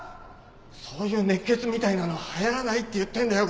そういう熱血みたいなの流行らないって言ってんだよ